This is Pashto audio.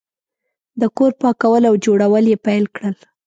د کور پاکول او جوړول یې پیل کړل.